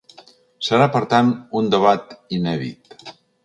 Serà, per tant, un debat inèdit.